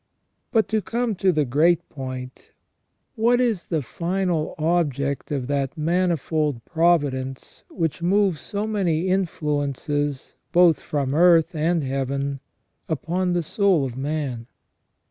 But, to come to the great point, what is the final object of that manifold providence which moves so many influences both CREATION AND PROVIDENCE. 107 from earth and Heaven upon the soul of man